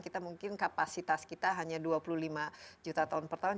kita mungkin kapasitas kita hanya dua puluh lima juta ton per tahun